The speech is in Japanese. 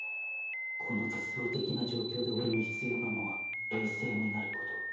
この絶望的な状況で俺に必要なのは冷静になること。